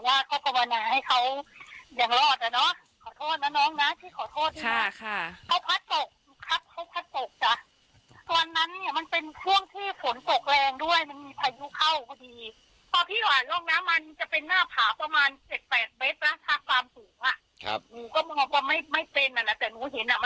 แบบเบสราคฟาร์มสูงอ่ะหนูก็มองว่าไม่เป็นอ่ะนะแต่หนูเห็นอ่ะมันเป็นป่าแล้ว